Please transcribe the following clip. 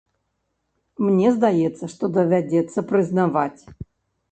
Мне здаецца, што давядзецца прызнаваць.